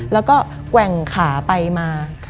แล้วก็แกว่งขาไปมา